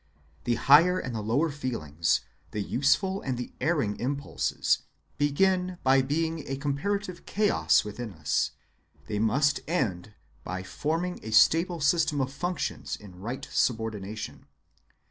The higher and the lower feelings, the useful and the erring impulses, begin by being a comparative chaos within us—they must end by forming a stable system of functions in right subordination.